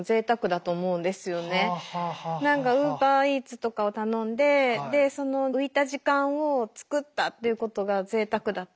何かウーバーイーツとかを頼んでその浮いた時間を作ったっていうことがぜいたくだったりとか。